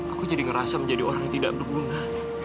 aku jadi ngerasa menjadi orang yang tidak berguna